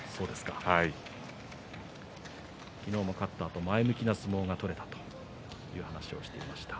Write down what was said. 昨日も勝ったあと前向きな相撲が取れたと言っていました。